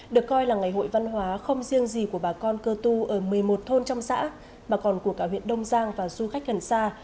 được coi là ngày hội văn hóa không riêng gì của bà con cơ tu ở một mươi một thôn trong xã mà còn của cả huyện đông giang và du khách gần xa